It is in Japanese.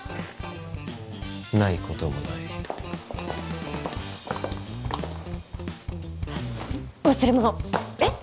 ないこともない忘れ物えっ？